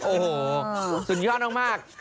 โอ้โหสุดยอดมาก